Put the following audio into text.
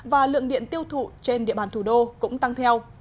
và lượng điện tiêu thụ trên địa bàn thủ đô cũng tăng theo